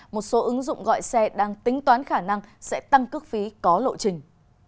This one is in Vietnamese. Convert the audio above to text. một số ứng dụng gọi xe đang tính toán khả năng sẽ tăng cước phí có lộ trình